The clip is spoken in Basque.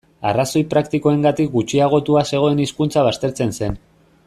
Arrazoi praktikoengatik gutxiagotua zegoen hizkuntza baztertzen zen.